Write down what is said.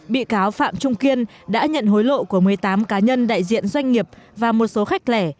bị cáo phạm trung kiên đã nhận hối lộ của một mươi tám cá nhân đại diện doanh nghiệp và một số khách lẻ